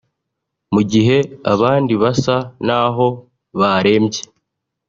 mu gihe abandi basa naho barembye